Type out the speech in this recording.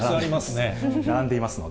並んでいますね。